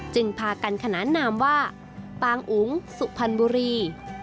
จึงพากันขนานนามปางอุ๋งสุพรณบุรี